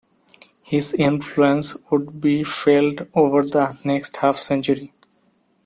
His influence would be felt over the next half-century.